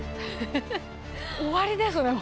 終わりですね。